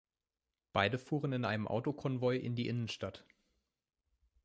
Beide fuhren in einem Auto-Konvoi in die Innenstadt.